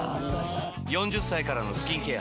４０歳からのスキンケア